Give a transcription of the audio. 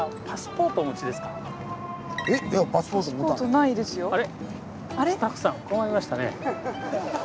パスポートないですよ。